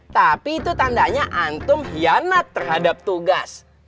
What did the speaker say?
tapi itu tandanya antum hianat terhadap tugas